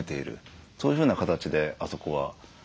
そういうふうな形であそこは安定してます。